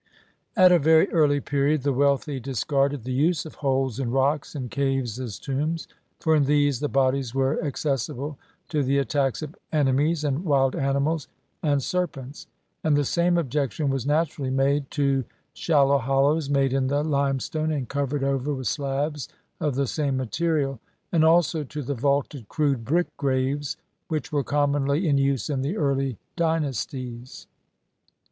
At a very early period the wealthy discarded the use of holes in rocks and caves as tombs, for in these the bodies were acces sible to the attacks of enemies, and wild animals, and serpents ; and the same objection was, naturally, made to shallow hollows made in the limestone and covered over with slabs of the same material, and also to the vaulted, crude brick graves which were commonly in use in the early dynasties.